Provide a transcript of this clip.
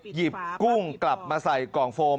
กุ้งกลับมาใส่กล่องโฟม